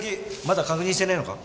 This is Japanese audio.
まだ確認してねえのか？